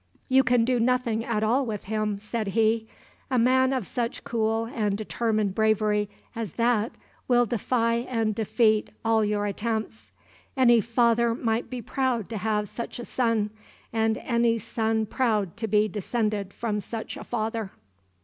"You can do nothing at all with him," said he. "A man of such cool and determined bravery as that will defy and defeat all your attempts. Any father might be proud to have such a son, and any son proud to be descended from such a father."